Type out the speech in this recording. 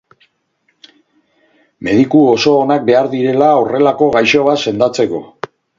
Mediku oso onak behar direla horrelako gaixo bat sendatzeko.